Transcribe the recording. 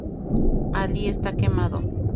Alí está quemado.